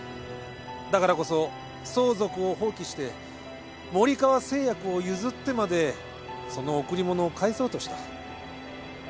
だからこそ相続を放棄して森川製薬を譲ってまでその贈り物を返そうとした。